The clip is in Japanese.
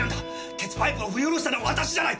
鉄パイプを振り下ろしたのは私じゃない！